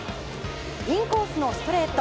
インコースのストレート。